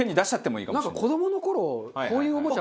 子どもの頃こういうおもちゃ。